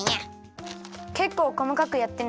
けっこうこまかくやってね。